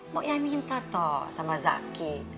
mau yang minta toh sama zaky